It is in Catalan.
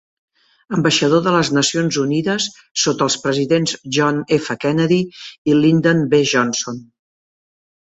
Ambaixador de les Nacions Unides sota els presidents John F. Kennedy i Lyndon B. Johnson.